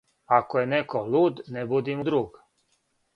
Ако је неко луд, не буди му друг.